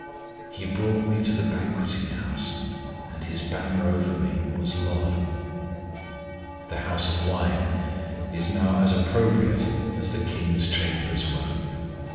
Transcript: He brought me to the banqueting house, And His banner over me was love. The house of wine is now as appropriate as the King's chambers were.